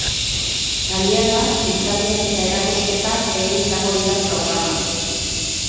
Tailerrak, hitzaldiak eta erakusketak ere izango dira programan.